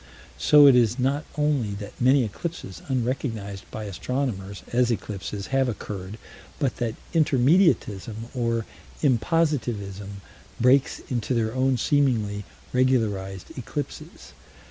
So it is not only that many eclipses unrecognized by astronomers as eclipses have occurred, but that intermediatism, or impositivism, breaks into their own seemingly regularized eclipses.